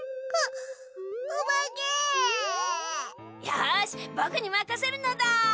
よしぼくにまかせるのだ。